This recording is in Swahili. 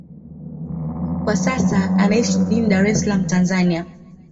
Kwa sasa anaishi jijini Dar es Salaam, Tanzania.